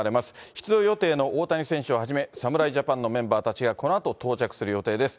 出場予定の大谷選手をはじめ侍ジャパンのメンバーたちがこのあと到着する予定です。